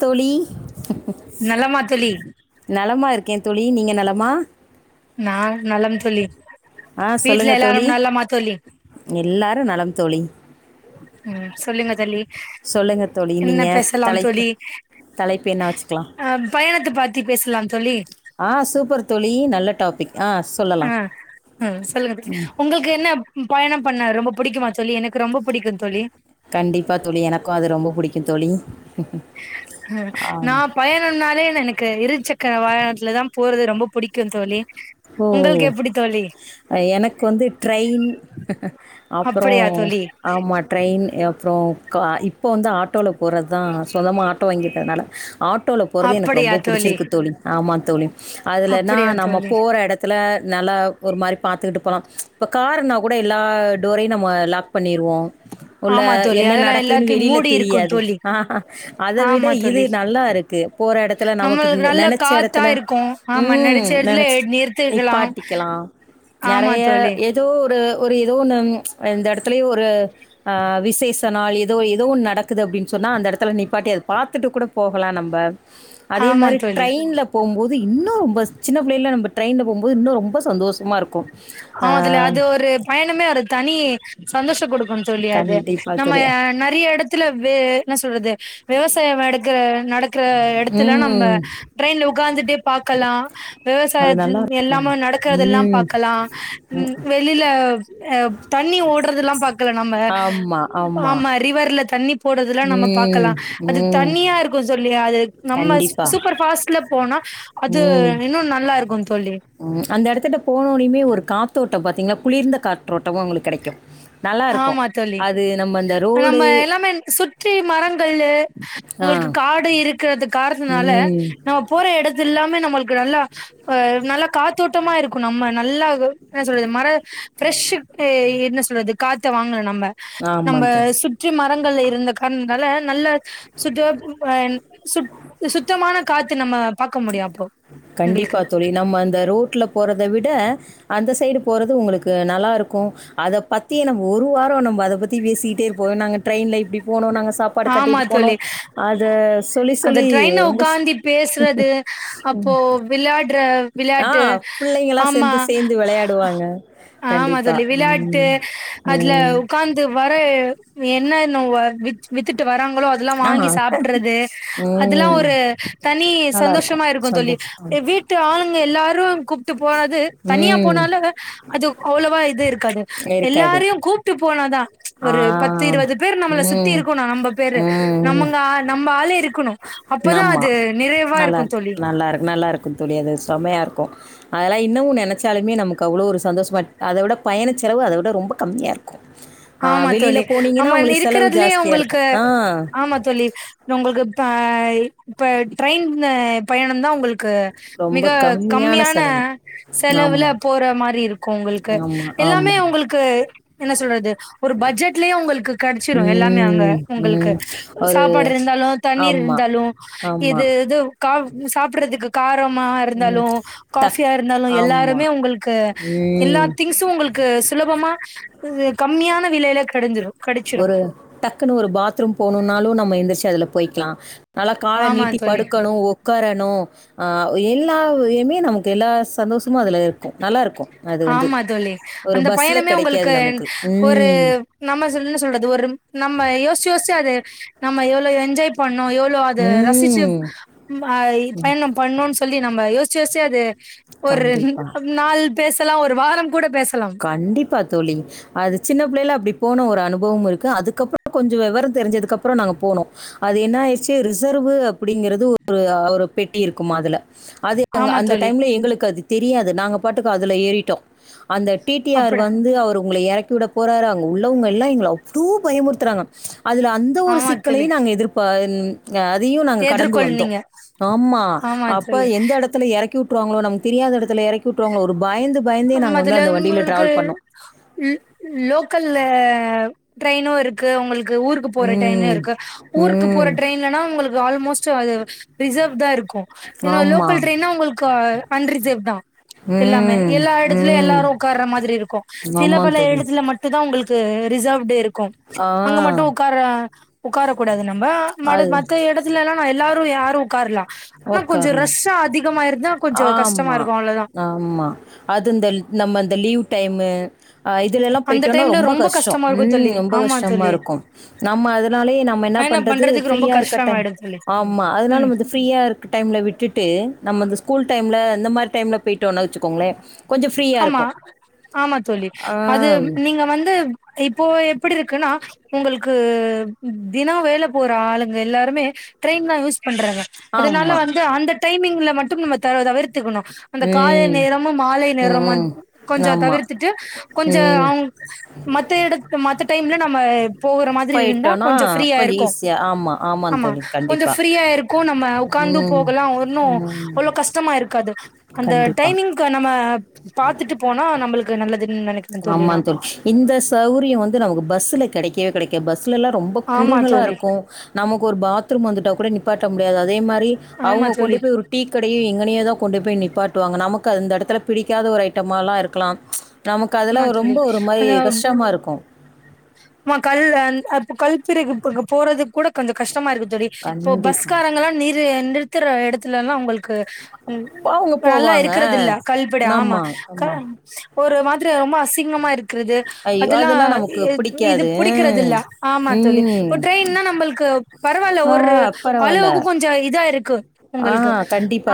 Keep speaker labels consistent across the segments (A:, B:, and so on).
A: தோழி
B: நலமா தோழி
A: நலமா இருக்கே தோழி நீங்க நலமா
B: நா நலம் தோழி
A: ஆ
B: வீட்ல
A: சொலுங்க தோழி
B: எல்லாரும் நலமா தோழி
A: எல்லாரு நலம் தோழி
B: ம் சொலுங்க தோழி
A: சொல்லுங்க தோழி
B: என்ன
A: நீங்க
B: பேசலாம்
A: தலைப்பு
B: தோழி
A: தலைப்பு என்ன வச்சுக்கலாம்
B: அ பயணத்த பத்தி பேசலாம் தோழி
A: ஆ சூப்பர் தோழி நல்ல டாபிக் ஆ
B: ஆ
A: சொல்லலாம்
B: அ சொலுங்க தோழி உங்களுக்கு என்ன பயணம் பண்ண ரொம்ப புடிக்குமா தோழி எனக்கு ரொம்ப புடிக்கும் தோழி
A: கண்டிப்பா தோழி எனக்கு அது ரொம்ப புடிக்கு தோழி
B: அ
A: ஆ
B: நா பயணனாலே எனக் கு இருச்சக்கர வாகனத்துல தா போறது ரொம்ப புடிக்கு தோழி உங்களுக்கு எப்படி தோழி
A: அ எனக்கு வந்து ட்ரெயின் அப்றோ
B: அப்படியா தோழி
A: ஆமா ட்ரெயின் அப்றோ கா இப்போ வந்து ஆட்டோல போறது தா சொந்தமா ஆட்டோ வாங்கிருக்கறதுனால ஆட் டோல போறது எனக்கு ரொம்ப புடிச்சிருக்கு தோழி ஆமா தோழி அதுலனா
B: அப்படியா
A: நம்ம
B: தோழி
A: போற இடத்துல நல்லா ஒரு மாரி பாத்துக்கிட்டு போலா இப்ப கார்னா கூட எல்லா டோரையும் நம்ம லாக் பண்ணிருவோ உள்ள
B: ஆமா தோழி
A: என்ன
B: அதெல்லா
A: நடக்குன்னு
B: எல்லாத்தையு
A: வெளியில
B: மூடி இருக்கு
A: தெரியாது
B: தோழி
A: அத விட
B: ஆமா
A: இது
B: தோழி
A: நல்லா இருக் கு போற இடத்துல
B: நம்மளுக்கு
A: நமக்கு
B: நல்ல
A: நெனச்ச
B: காத்தா
A: இடத்துல
B: இருக்கு ஆமா
A: ம்
B: நெனச்ச எடத்துல
A: நெனச்சு
B: நிறுத்திருக்கலாம்
A: நிப்பாட்டிக்கலா
B: ஆமா
A: நிறைய
B: தோழி
A: ஏதோ ஒரு ஒரு ஏதோ ஒண்ணு இந்த எடத்துலயே ஒரு ஆ விசேஷனா ஏதோ ஏதோ ஒன்னு நடக்குது அப்டின்னு சொன்னா அந்த இடத்துல நிப்பாட்டி அத பாத்துட்டு கூட போகலா நம்ப அதே
B: ஆமா
A: மாதிரி
B: தோழி
A: ட்ரெயின்ல போவும்போது இன்னு ரொம்ப சின்ன பிள்ளைையில நம்ப ட்ரெயின்ல போகும்போது இன்னும்ரொம்ப சந்தோஷமா இருக்கு
B: ஆமா தோழி அது ஒரு பயணமே ஒரு தனி சந்தோஷம் கொடுக்கும் தோழி அது
A: கண்டிப்பா
B: நம்ம
A: தோழி.
B: நெறைய இடத் துல வே என்ன சொல்றது விவசாய நடக்கற நடக்கற எடத்துல நம்ப
A: ம்.
B: ட்ரெயின்ல உட்காந்துட்டே பாக்கலா
A: அது
B: விவசாயத்
A: நல்லாருக்கும்.
B: எல்லாமே நடக்கற எல்லா பா
A: ம்.
B: க்கலா ம் வெளியில அ தண்ணி ஓட்றதுல்லா பாக்கல நம்ப
A: ஆமா, ஆமா
B: ரிவர்ல தண்ணி போடுறதெல்லா நம்ம பாக்கலா
A: ம்,
B: அது
A: ம்.
B: தனியா இருக்கு தோழி அது நம்ம
A: கண்டிப்பா.
B: சூப்பர் ஃபாஸ்ட் ல போனா அது
A: ம்.
B: இன்னு நல்லா இருக்கு தோழி
A: ம் அந்த எடத்துகிட்ட போனயுடையுமே ஒரு காற்றோட்டம் பாத்தீங்னா ஒரு குளிர்ந்த காற்றோட்டமு உங்களுக்கு கெடைக்கு நல்லா இருக்கு
B: ஆமா தோழி
A: அது நம்ம ரோடு
B: நம்ம எல்லாமே சுற்றி மரங்களு
A: ஆ.
B: உங்களுக்கு காடு இருக்கறது காரனால
A: ம்
B: நம்ம போற எடத்து எல்லாமே நம்மளுக்கு நல்லா அ நல்லா காத்தோட்டமா இருக்கு நம்ம நல்லா என்ன சொல்றது மர ஃபிரெஷ்க்கு என்ன சொல்றது காத்த வாங்கல நம்ம
A: ஆமா
B: நம்ம
A: தோழி.
B: சு ற்றி மரங்கள் இருந்த காரணத்னால நல்ல சுட்டப் சுத் சுத்தமான காத்து நம்ம பாக்க முடியு அப்போ
A: கண்டிப்பா
B: உங்களுக்கு
A: தோழி நம்ம அந்த ரோட்ல போறத விட அந்த சைடு போறது உங்களுக்கு நல்லாருக்கு அத பத்தியே நம் ஒரு வாரோ நம்ம அத பத்தி பேசிட்டே போவோ நாங்க ட்ரெயின்ல அப்டி போனோ நாங்க சாப்பாடு
B: ஆமா
A: கட்டிட்டு போனோ
B: தோழி
A: அத சொல்லி
B: அந்த
A: சொல்லி
B: ட்ரெயின்ல
A: ரொம்ப
B: உக்காந்தி பேசுறது அப்போ விளையாட்ற
A: ஆ
B: விளையாட்டு
A: பிள்ளைங்கலாம்
B: ஆமா
A: சேர்ந்து சேர்ந்து விளையாடுவாங்க.
B: ஆமா
A: கண்டிப்பா.
B: தோழி விளையாட்டு
A: ம்.
B: அதுல
A: ம்.
B: உக்காந்து வர என்ன இன்னுவ வித்துட்டு வராங்ளோ அதெலா
A: ஆ
B: வாங்கி சாப்பட்றது அதெல்லா
A: ம்
B: ஒரு தனி
A: நல்லா
B: சந்தோஷமா இருக்கு தோழி
A: சந்தோஷமா
B: எ வீட்டு ஆளுங்க எல்லாரு கூப்ட்டு போறது தனியா
A: ம்
B: போனாலு அது அவ்வளவா இது இருக்காது
A: இருக்காது
B: எல்லாரையு கூப்ட்டு போனாதா
A: ஆ
B: ஒரு பத்து இருவது பேர் நம்மள சுத்தி
A: ம்
B: இரு
A: ம்
B: நம்மங்க நம்ம ஆளு இருக்கணு அப்பதா அது நிறைவா இருக்கு தோழி
A: நல்லாரு நல்லாருக்கு தோழி அது செம்மையா இருக்கு அதெலா இன்னமு நெனச்சாலுமே நமக்கு அவ்ளோ ஒரு சந்தோஷமா அத விட பயணச்செலவு அத விட ரொம்ப கம்மியா இருக்கு ஆ
B: ஆமா
A: வெளியில
B: தோழி ஆமா
A: போனீங்கன்னா
B: இந்த
A: உங்களுக்கு செலவு
B: இருக்கறதுலயே
A: ஜாஸ்தியா இருக்கு
B: உங்களுக்கு
A: ஆ
B: ஆமா தோழி உங்களுக்கு இப்ப இப்ப ட்ரெயின் அ பயணந்தா உங்களு க்கு
A: ரொம்ப
B: மிக கம்மியான
A: செலவு
B: செலவுல
A: ஆமா
B: போற மாரி இருக்கு உங்களுக்கு
A: ஆமா
B: எல்லாமே
A: ஆமா
B: உங்களுக்கு என்ன சொல்றது ஒரு பட்ஜெட்லயே உங்களுக்கு கெடச்சிரு எல்லாமே அங்க
A: ம்,
B: உங்கள்க்கு
A: ம். ஒரு
B: சாப்பாடு இருந்தாலு தண்ணீர்
A: ஆமா,
B: இருந்தாலு
A: ஆமா.
B: இது இது கா சாப்பிட்றதுக்கு கார மா
A: ம்.
B: இருந்தாலு
A: டக்
B: காஃபியா இருந்தாலு
A: ஆமா.
B: எல்லாருமே உங்கள்க்கு எல்லா
A: ம்.
B: திங்ஸு உங்களு க்கு சுலபமா இது கம்மியான விலையில கெடஞ்சிரு கெடச்சிரு
A: ஒரு டக்குனு ஒரு பாத்ரூம் போணுன்னாலு நம்ம எந்திரிச்சி அதுல போய்க்கலா நல்லா கால
B: ஆமா
A: நீட்டி
B: தோழி
A: படுக்கணு ஒ க்காரணு அ எல்லாயுமே நமக்கு எல்லா சந்தோஷமு அதுல இருக்கு நல்லாருக்கு
B: ஆமா தோழி அந்த பயணமே
A: கெடைக்காது
B: உங்களுக்கு
A: நமக்கு.
B: ஒரு
A: ம்,
B: நம்ம ச என்ன சொல்றது ஒரு நம்ம யோசிச்சி யோசிச்சி அத நம்ம எவ்ளோ என்ஜாய் பண்ணோ எ வ்ளோ அத ரசிச்சு
A: ம்.
B: பய் பயணம் பண்ணோன் சொல்லி நம்ம யோசிச்சு யோசிச்சு அது ஒரு
A: கண்டிப்பா.
B: நாள் பேசலா ஒரு வாரம் கூட பேசலாம்
A: கண்டிப்பா தோழி அது சின்ன பிள்ளைல அப்டி போன ஒரு அனுபவம் இருக்கு அதுக்கப்றோ கொஞ்சோ வெவர தெரிஞ்சதுக்குப்றோ நாங்க போனோ அது என்ன ஆயிடுச்சு ரிசர்வ் அப்படிங்கறது ஒரு ஒரு பெட்டி இருக்குமா அதுல அது
B: ஆமா
A: அந்த
B: தோழி
A: டைம்ல எங்களுக்கு அது தெரியாது நாங்க பாட்டுக்கு அதுல ஏறிட்டோ அந்த டி டி ஆர்
B: அப்பட
A: வந்து அவரு உங்கள எறக்கிவிட போறாரு அங்க உள்ளவங்க எல்லா எங்கள அவ்ளோ பயமுறுத்துறாங்க அதுல அந்த ஒரு
B: ஆமா தோழி
A: சிக்கலையு நாங்க எதிர் ப ன் அதையு நாங்க கடந்து
B: எதிர்கொள்
A: வந்தோ
B: நீங்க
A: ஆம்மா
B: ஆமா
A: அப்ப
B: தோழி
A: எந்த எடத் துல எறக்கி வுட்ருவாங்ளோ நமக்கு தெரியாத எடத்துல எறக்கி வுட்ருவாங்ளோ ஒரு பயந்து பயந்தே நாங்க வந்து
B: அதுல
A: அந்த வண்டியில
B: உங்ள்க்கு
A: டிராவல் பண்ணோம்
B: ல் லோக்கல்ல ட்ரெயினு இரு க்கு உங்களுக்கு ஊருக்கு போற டிரெயினு
A: ம்
B: இருக்கு ஊருக்கு போற
A: ம்
B: ட்ரெயின்லனா உங்களு ஆல்மோஸ்ட் அது ரிசர்வ் தா இருக்கு ஏன்னா
A: ஆமா
B: லோக்கல் ட்ரெயின்னா உங்ளு க்கு அன்ரிசர்வ் தா எல்லாமே
A: ம்
B: எல்லா எடத்துலயு
A: ம்
B: எல்லாரு உக்கார்ற மாதிரி இருக்கு சில
A: ஆமாம்
B: பல
A: தோழி
B: எடத்துல மட்டு தா உங்களுக்கு ரிசர்வ்ட்டு இருக்கு அங்க மட்டு
A: ஆ
B: உக்கார உக்கார கூடாது மட
A: அது
B: மத்த எடத் துலல்லா ந எல்லாரு யாரு உக்காரலா ஆனா கொஞ்சோ
A: ஒக்காரலா
B: ரஷ்ஷா அதிகமாயிருந்தா கொஞ்சோ கஷ்டமா
A: ஆமா
B: இருக்கு அவ்ளோதா
A: ஆமா அது இந்த நம்ம இந்த லீவ் டைமு அ இதுலெல்லா
B: அந்த
A: போயிட்டோனா
B: டைம்ல
A: ரொம்ப கஷ்டோ
B: கஷ்டமா இருக்கு
A: ம்
B: தோழி
A: ரொம்ப
B: ஆமா
A: கஷ்டமா
B: தோழி
A: இருக்கும் நம்ம அதனாலயே நம்ம என்ன
B: ஆனா
A: பண்றது
B: பண்றதுக்கு ரொம்ப
A: ஃப்ரீயா இருக்க டைம்
B: கஷ்டமாயிடு தோழி
A: ஆமா அதனால
B: ம்
A: நம்மது ஃப்ரீயா இருக்க டைம்ல விட்டுட்டு நம்ம இந்த ஸ்கூல் டைம்ல இந்தந்த மாரி டைம்ல போயட்டோனா வெச்சுங்களே கொஞ்சம்
B: ஆமா ஆமா தோழி
A: ஆ
B: அது நீ இங்க வந்து இப்போ எப்டி இருக்குனா உங்ளுக்கு தினோ வேல போற ஆளுங்க எல்லாருமே டிரெய்ன் தா யூஸ் பண்றாங்க அதனால
A: ஆமா
B: வந்து அந்த டைமிங்ல மட்டு நம்ம தவி தவிர் த்துக்கணு அந்த காலை
A: ம்
B: நேரமு மாலை நேரம் மட்
A: ம்
B: கொஞ்சோ
A: ஆமா
B: தவிர்த்துட்டு கொஞ்ச
A: ம்
B: அவுங் மத்த எடத் மத்த டைம்ல நம்ம போகுற மாதிரி இருந்தா
A: போயிட்டோனா
B: கொஞ்சோ ஃப்ரீயா இருக்கு
A: ஈஸியா ஆமா
B: ஆமா
A: தோழி
B: கொஞ்சோ
A: கண்டிப்பா
B: ஃப்ரீயா இருக் கோ நம்ம உக்காந்து
A: ம்
B: போகலாம் ஒன்னும்
A: ம்
B: அவ்ளோ கஷ்டமா இருக்காது அந்த
A: கண்டிப்பா
B: டைமிங் ப்ப நம்ம பாத்துட்டு போனா நம்பளுக்கு நல்லதுன் நெனைக்கிறேன் தோழி
A: ஆமா
B: நா
A: இந்த சௌரியம் வந்து நமக்கு பஸ்ல கெடைக்கவே கெடைக்காது பஸ்ல எல்லாம் ரொம்ப
B: ஆமா
A: குறுகால
B: தோழி
A: இருக்கும் நமக்கு ஒரு பாத்ரூம் வந்துட்டா கூட நிப்பாட்ட முடியாது அதே மாரி
B: ஆமா
A: அவங்க கொண்டு
B: தோழி
A: போய் ஒரு டீ கடையு எங்கனயோ தான் கொண்டு போய் நிப்பாட்டுவாங்க நமக்கு அது அந்த எடத்துல பிடிக்காத ஒரு ஐட்டமால்லாம் இருக்கலாம் நம் க
B: ஆமா
A: அதெல்லாம்
B: தோழி
A: ரொம்ப ஒரு மாரி கஷ்டமாக இருக்கும்
B: மா கல் ஆ கல் பிரிவு போறது கூட கொஞ்சம் கஷ்டமா இருக்கு தோழி இப்ப
A: கண்டிப்பா
B: பஸ்காரங்கல்லாம் நி நிறுத்துற இடத்துலல்லாம் உங்களுக் கு
A: அவுங்க
B: இப்ப நல்லா
A: போவாங்க
B: இருக்கறத இல்ல கல்பட ஆமா க ஒரு மாதிரி ரொம்ப அசிங்கமா இருக்குறது
A: ஐயோ!
B: அதுல்லாம்
A: அதெல்லாம்
B: இ
A: நமக்கு
B: இது
A: பிடிக்காது.
B: புடிக்கறது இல்ல ஆமா தோழி
A: ம்.
B: இப்ப ட்ரெயின்னா நம்மளுக்கு பரவாயில்ல ஒரு
A: பரவாயில்ல
B: கொஞ்ச இதா இருக்கு உங்கள்கு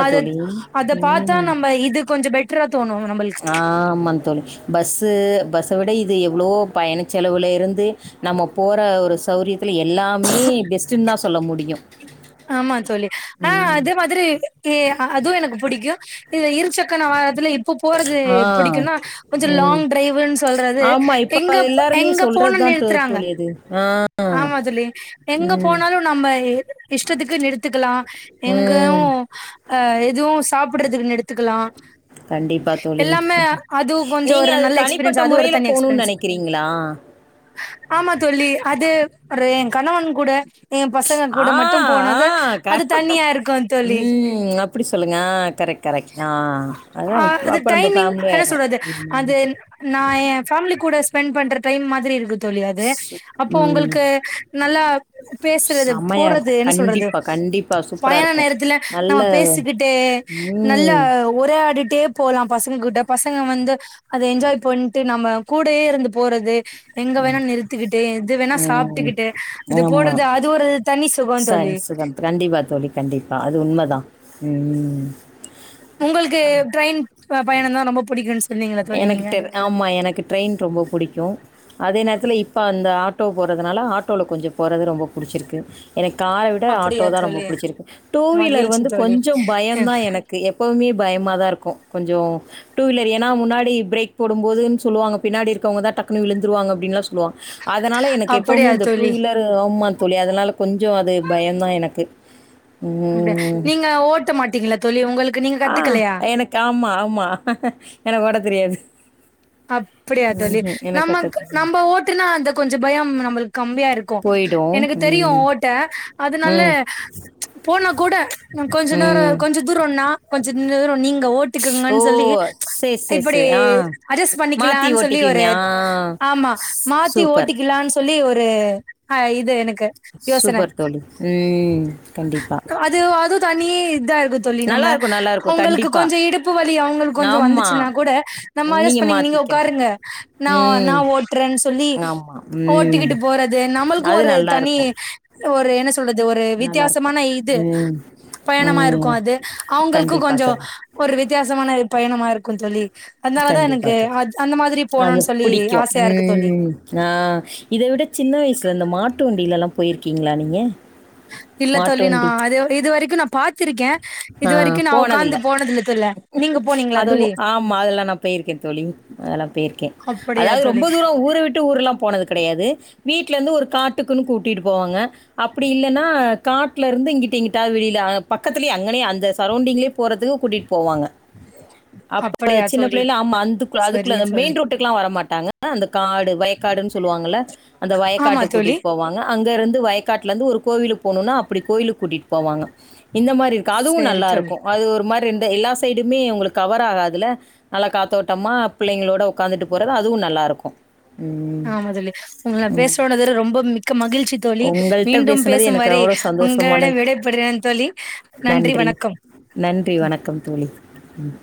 B: அத
A: தோழி.
B: அத பாத்தா
A: ம்.
B: நம்ம இது கொஞ்ச பெட் ட்ற தோணு நம்பள்க்
A: ஆமா தோழி பஸ்ஸு பஸ்ஸ விட இது எவ்ளவோ பயண செலவுல இருந்து நம்ம போற ஒரு சௌரியத்துல எல்லாமே பெஸ்டின் தா சொல்ல முடியு
B: ஆமா தோழி ஆ அதே மாதிரி ஏ அதுவு எனக் புடிக்கு இது இருச்சக்கன வானத்துல இப்ப போறது
A: ஆ.
B: பிடிக்கும்னா கொஞ்சம்
A: ம்.
B: லாங் டிரைவ்னு சொல்றது
A: ஆமா. இப்ப
B: எங்க
A: எல்லாருமே
B: எங்க
A: சொல்றது
B: போனும்
A: தான் தோ
B: நிறுத்துறாங்க
A: தோழி அது. ஆ.
B: ஆமா தோழி எங்க
A: ம்.
B: போனாலு நம்ப ஏது இஷ்டத்துக்கு நிறுத்துக்குலா எங்கயு
A: ம்.
B: அ எதுவு சாப்பிறதுக்கு நிடுத்துக்கலா
A: கண்டிப்பா தோழி.
B: எல்லாமே அது கொஞ்ச
A: நீங்க
B: ஒரு
A: அது
B: நல்ல
A: தனிப்பட்ட
B: எக்ஸ்பீரியன்ஸ் அது ஒரு
A: முறையில
B: தனி
A: போணும்னு
B: எக்ஸ்பீரியன்ஸ்
A: நெனைக்கிறீங்களா?
B: ஆமா தோழி அது ஒரு என் கணவன் கூட ஏ பசங்க
A: ஆ,
B: கூட மட் மட்டும் போனா தா
A: ஆ க
B: அது தனியா இருக்கும் தோழி
A: ம். அப்படி சொல்லுங்க. ஆ கரெக்ட், கரெக்ட். ஆ அதான்
B: அ அது
A: அப்ப நம்ம
B: டைமிங்
A: ஃபேமிலி
B: என்ன
A: ஆயிர்றோம்.
B: சொல்றது அது நா ஏ ஃபேமிலி கூட ஸ்பெண்ட் பண்ற டைம் மாதிரி இருக்கு தோழி அது அப்போ
A: ம்.
B: உங்களுக்கு நல்லா பேசுறது
A: செம்மையா
B: போறது
A: இருக்கும்.
B: என்ன சொல்றது
A: கண்டிப்பா, கண்டிப்பா. சூப்பரா
B: பயண
A: இருக்கும்.
B: நேரத்தில நம்ம
A: நல்ல
B: பேசிக்கிட்டே நல்ல
A: ம்.
B: உரையாடிட்டே போலா பசங்க கிட்ட பசங்க வந்து அத என்ஜாய் பண்ணிட்டு நம்ம கூடயே இருந்து போறது எங்க வேணா நிறுத்துக்கிட்டு எதுவெணா
A: ம்.
B: சாப்டுக்கிட்டு அது
A: ஆமா.
B: போட்றது அது ஒரு தனி சுகோ
A: சரி
B: தோழி
A: சுகம் கண்டிப்பா தோழி கண்டிப்பா அது உண்மதா ம்
B: உங்களுக்கு ட்ரெயின் பயணம் தா ரொம்ப பிடிக்குன்னு சொ
A: எனக்கு ட்டெ ஆமா எனக்கு ட்ரெயின் ரொம்ப புடிக்கும் அதே நேரத்தில இப்ப அந்த ஆட்டோ போறதுனால ஆட்டோல கொஞ்சம் போறது ரொம்ப பிடிச்சிருக்கு எனக் கார விட ஆட்டோ
B: அப்படியா
A: தா ரொம்ப
B: தோழி
A: புடிச்சிருக்கு டூவீலர்
B: மகிழ்ச்சி
A: வந்து
B: தோழி
A: கொஞ்ச பயந்தா எனக் எப்பவுமே பயமா தா இருக்கு கொஞ்சோ டூ வீலர் ஏ ன்னா முன்னாடி பிரேக் போடும்போதுன்னு சொல்வாங்க பின்னாடி இருக்கவங்க தா டக்குன்னு விழுந்துருவாங்க அப்டின்னுல்லா சொல்லுவாங்க அதனால எனக்கு
B: அப்படியா
A: எப்போவுமே அந்த டூ
B: தோழி
A: வீலர் ஆமான் தோழி அதனால கொஞ்சோ அது பயம்தா எனக்கு
B: அப்டியா
A: ம்.
B: நீங்க ஓட்ட மாட்டீங்ளா தோழி உங்களுக்
A: ஆ எனக்கு ஆமா ஆமா எனக்கு ஓட்ட தெரியாது
B: அப்படியா தோழி
A: ம்ஹ்ம். எனக்கு
B: நம்ம
A: அத
B: நம்ம ஓட்டுனா அந்த கொஞ்ச பயம் நம்மளுக் கம்மியா இருக்கு
A: போயிடும்.
B: எனக்கு தெரியு
A: ம்.
B: ஓட்ட அதனால
A: ம்.
B: போனா கூட கொஞ்ச நேரோ
A: ம்.
B: கொஞ்ச தூரோ னா கொஞ்ச தூரோ நீங்க ஓட்
A: ஓ!
B: டிக்குங்கன் சொல்லி
A: சரி, சரி,
B: இப்படி
A: சரி. ஆ.
B: அட்ஜஸ்
A: மாத்தி
B: பண்ணிக்காலன் சொல்லி
A: ஓட்டிக்குவீங்க.
B: ஒரு
A: ஆ.
B: ஆமா
A: ஸ்
B: மாத்தி
A: சூப்பர்.
B: ஓட்டிக் லான் சொல்லி ஒரு ஹ இது எனக் கு யோசன
A: சூப்பர் தோழி. ம். கண்டிப்பா.
B: அது அதுவு தனி இத்தா இருக் கு தோழி நம்ம
A: நல்லாருக்கும், நல்லாருக்கும்.
B: அவுங்களுக்கு
A: கண்டிப்பா.
B: கொஞ்ச இடுப்பு வலி அவுங்ளுக் கொஞ்ச
A: ஆமா.
B: வந்துச்சுன்னா கூட நம்ம அஜ்ஜஸ் ப்பண்ணி நீங்க உக்காருங்க நா நா
A: ம்.
B: ஓட்டறன் சொல்லி
A: ஆமா. ம்.
B: ஓட்டிக்கிட்டு போறது நம்மளுக்கு
A: அது
B: ஒரு தனி
A: நல்லாருக்கும்.
B: ஒரு என்ன சொல்றது ஒரு
A: நல்லாருக்கும்.
B: வித்தியாசமான இது
A: ம்.
B: பயணமா இருக்கு
A: ம்.
B: அது அவங்கள்க்கு
A: கண்டிப்பா
B: கொஞ்சோ
A: தோழி.
B: ஒரு வித்தியாசமான பயணமா இருக்கு தோழி அதனால தா எனுக்
A: கண்டிப்பா
B: கு
A: தோழி.
B: அந்த மாதிரி
A: அது
B: போணுன் சொல்லி
A: பிடிக்கும்.
B: ஆசையா இருக்கு தோழி
A: ம். ஆ இத விட சின்ன வயுசுல இந்த மாட்டு வண்டியிலல்லா போயிருக்கீங்ளா நீங்க
B: இல்ல
A: மாட்டு
B: தோழி நா
A: வண்டி.
B: அது இது வரைக்கு நா பாத்திருக்கே இது
A: ஆ
B: வரைக்கு நா
A: போனதில்ல.
B: உக்காந்து போனது இல்ல தோழ நீங்க போனீங்ளா தோழி
A: போயிருக்கே தோழி அதல்லா போயிருக்கே
B: அப்படியா
A: அதாவது ரொம்ப
B: தோழி
A: தூர ஊரவிட்டு ஊர்ல்லா போனதுக் கெடையாது வீட்லருந்து ஒரு காட்டுக்குன்னு கூட்டிட்டு போவாங்க அப்பிடி இல்லன்னா காட்டுல இருந்து இங்கிட்டு எங்கிட்டாவது வெளியில அ பக்கத்துலயே அங்கனே அந்த சரௌண்டிங்களியே போறதுக்கு கூட்டிட்டு போவாங்க அப்ப
B: அப்படியா
A: சின்ன
B: தோழி
A: பிள்ளைல்ல ஆமா அந்துக்
B: சரி
A: அதுக்குள்ள மெயின்
B: தோழி
A: ரோட் டுக்கல்லா வர மாட்டாங்க அந்த காடு வயக்காடுன்னு சொல்லுவாங்கல்ல அந்த
B: ஆமா
A: வயக்காட்டுக்
B: தோழி.
A: கூட்டிட்டு போவாங்க அங்க இருந்து வயக்காட்டுலருந்து ஒரு கோவிலு போகணுன்னா அப்பிடி கோயிலுக்கு கூட்டிட்டு போவாங்க இந்த மாரி இருக்கு அதுவு
B: சரி தோழி.
A: நல்லாருக்கு அது ஒரு மாரி எந்த எல்லா சைடுமே உங்களுக்கு கவர் ஆகாதுல நல்லா காத்தோட்டமா பிள்ளைங்களோட உக்காந்துட்டு போறது அதுவு நல்லா இருக்கு
B: ஆ தோழி உங்களா நா பேசுறோனதுல ரொம்ப மிக்க மகிழ்ச்சி தோழி
A: உங்கள்கிட்ட
B: மீண்டும்
A: பேசுனது
B: பேசும்
A: எனக்கு
B: வரை
A: அவ்வளோ சந்தோஷமான
B: உங்களிடம் விடைபட்றே தோழி நன்றி வணக்கம்
A: நன்றி வணக்கம் தோழி ம்